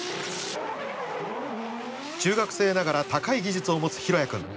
中学生ながら高い技術を持つ大也君。